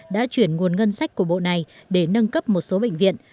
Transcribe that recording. đã chuyển nguồn ngân sách của bộ này để nâng cấp một số bệnh viện